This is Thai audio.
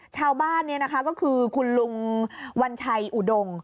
ชาวบ้านนี่นะคะก็คือคุณลุงวัญชัยอุดม